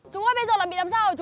chú ơi bây giờ là bị làm sao rồi chú